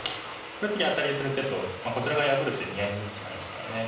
これ次アタリにする手とこちら側破る手見合いになってしまいますからね。